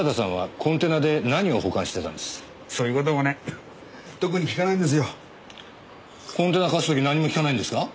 コンテナ貸す時なんにも聞かないんですか？